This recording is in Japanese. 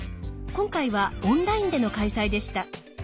今回はオンラインでの開催でした。